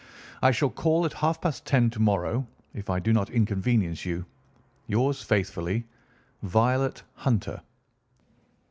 I shall call at half past ten to morrow if I do not inconvenience you. Yours faithfully, "VIOLET HUNTER."